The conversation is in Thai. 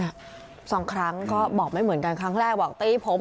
สองครั้งก็บอกไม่เหมือนกันครั้งแรกบอกตีผม